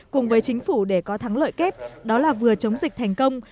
cùng với chính phủ để có thắng lợi kép đó là vừa chống dịch thành công